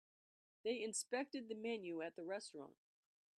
They inspected the menu at the restaurant.